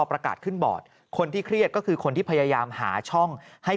ประกาศขึ้นบอร์ดคนที่เครียดก็คือคนที่พยายามหาช่องให้